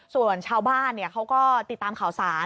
ส่วนชาวบ้านเขาก็ติดตามข่าวสาร